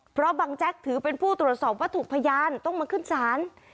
เพราะบังแจ๊กถือเป็นผู้ตรวจสอบวัตถุพยานต้องมาขึ้นศาล